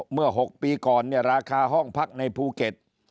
เมื่อ๖ปีก่อนเนี่ยราคาห้องพักในภูเก็ต